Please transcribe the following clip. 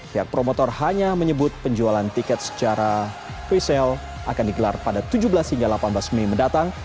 pihak promotor hanya menyebut penjualan tiket secara free sale akan digelar pada tujuh belas hingga delapan belas mei mendatang